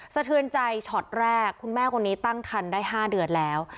สะเทือนใจช็อตแรกคุณแม่คนนี้ตั้งคันได้๕เดือนแล้ว